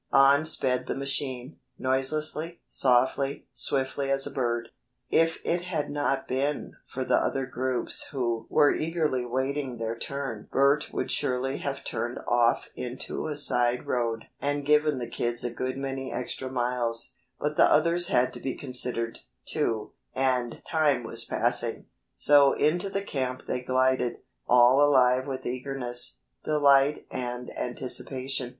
On sped the machine, noiselessly, softly, swiftly as a bird. If it had not been for the other groups who were eagerly waiting their turn Bert would surely have turned off into a side road and given the kids a good many extra miles; but the others had to be considered, too, and time was passing, so into the camp they glided, all alive with eagerness, delight and anticipation.